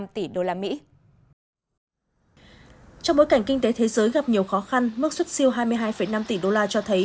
trong bối cảnh kinh tế thế giới gặp nhiều khó khăn mức xuất siêu hai mươi hai năm tỷ đô la cho thấy